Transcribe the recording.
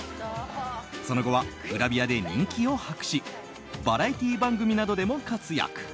その後はグラビアで人気を博しバラエティー番組などでも活躍。